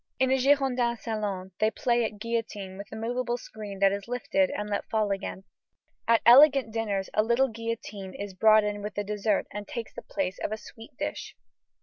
In a Girondin salon they play at guillotine with a moveable screen that is lifted and let fall again. At elegant dinners a little guillotine is brought in with the dessert and takes the place of a sweet dish.